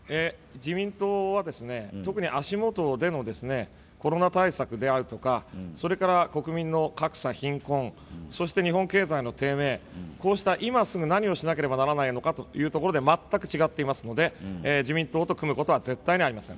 自民党は特に足元でのコロナ対策であるとか国民の格差、貧困、日本経済の低迷、今すぐ何をしなければならないのかというところで全く違っていますので、自民党と組むことは絶対にありません。